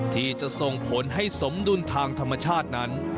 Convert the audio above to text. ที่จะส่งผลให้สมดุลทางธรรมชาตินั้น